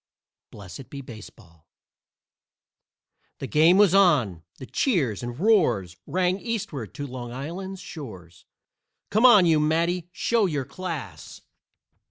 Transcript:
BLESSED BE BASEBALL The game was on! The cheers and roars Rang Eastward to Long Island's shores; "Come on, you Matty show your class!"